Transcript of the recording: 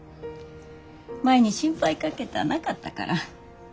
舞に心配かけたなかったから。